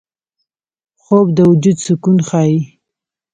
خوب د وجود سکون ښيي